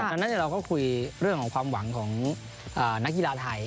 ดังนั้นเราก็คุยเรื่องของความหวังของนักกีฬาไทย